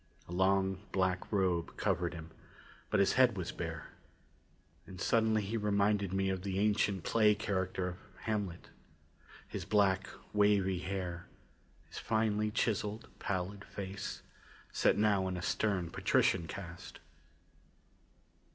A long black robe covered him, but his head was bare. And suddenly he reminded me of the ancient play character of Hamlet. His black, wavy hair; his finely chiseled, pallid face, set now in a stern patrician cast.